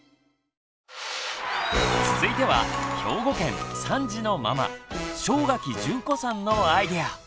続いては兵庫県３児のママ正垣淳子さんのアイデア！